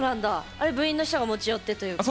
あれ部員の人が持ち寄ってというか。